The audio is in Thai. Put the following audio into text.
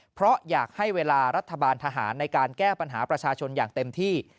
เพราะอยากให้เวลารัฐบาลทหารในการแก้ปัญหาประชาชนอย่างเต็มที่